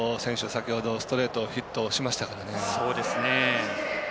先ほどストレートをヒットしましたからね。